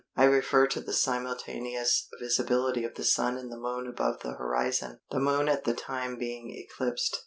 I refer to the simultaneous visibility of the Sun and the Moon above the horizon, the Moon at the time being eclipsed.